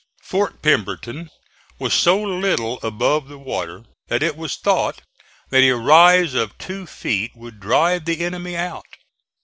Fort Pemberton was so little above the water that it was thought that a rise of two feet would drive the enemy out.